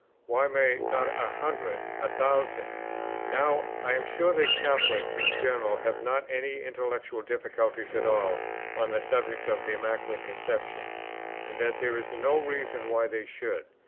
why may not a hundred? a thousand? Now I am sure that Catholics in general have not any intellectual difficulty at all on the subject of the Immaculate Conception; and that there is no reason why they should.